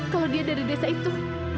kalau dia dari desa itu